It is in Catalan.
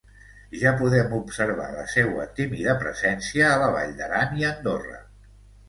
Ja podem observar la seua tímida presència a la Vall d'Aran i Andorra.